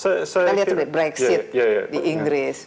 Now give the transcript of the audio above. kita lihat brexit di inggris